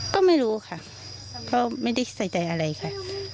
ก็ไม่รู้ค่ะเพราะไม่ได้ใส่ใจอะไรค่ะ